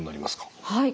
はい。